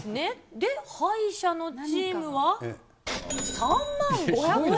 で、敗者のチームは、３万５００円。